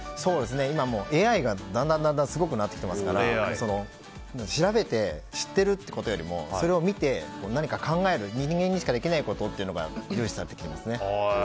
今、ＡＩがだんだんすごくなってきてますから調べて知っているっていうことよりもそれを見て何か考える人間にしかできないことというのが重視されてきてますね。